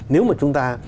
nếu mà chúng ta